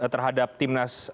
terhadap tim nas